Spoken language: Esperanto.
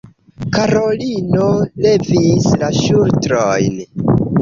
Karolino levis la ŝultrojn.